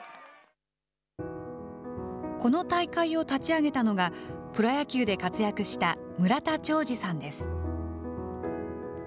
この大会を立ち上げたのが、プロ野球で活躍した村田兆治さんです。